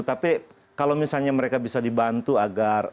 tapi kalau misalnya mereka bisa dibantu agar